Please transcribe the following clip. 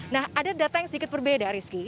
nah ada data yang sedikit berbeda rizky